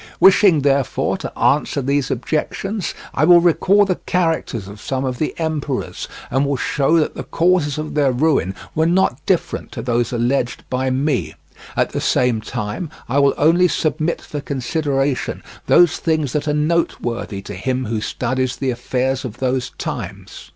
Wishing, therefore, to answer these objections, I will recall the characters of some of the emperors, and will show that the causes of their ruin were not different to those alleged by me; at the same time I will only submit for consideration those things that are noteworthy to him who studies the affairs of those times.